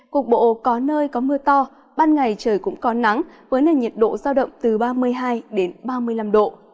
cục bộ có nơi có mưa to ban ngày trời cũng có nắng với nền nhiệt độ giao động từ ba mươi hai ba mươi năm độ